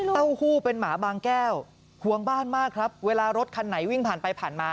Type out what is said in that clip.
เต้าหู้เป็นหมาบางแก้วห่วงบ้านมากครับเวลารถคันไหนวิ่งผ่านไปผ่านมา